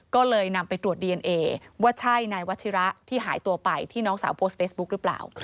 ก็เลยนำไปตรวจดีเอนเอว่าใช่นายวัชิระที่หายตัวไปที่น้องสาวโพสต์เฟซบุ๊คหรือเปล่า